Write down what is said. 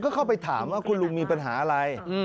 ก็เข้าไปถามว่าคุณลุงมีปัญหาอะไร